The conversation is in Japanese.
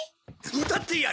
歌ってやる。